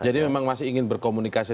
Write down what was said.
jadi memang masih ingin berkomunikasi